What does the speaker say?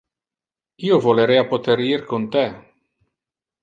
Io volerea poter ir con te.